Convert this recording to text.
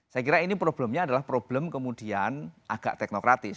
saya kira ini problemnya adalah problem kemudian agak teknokratis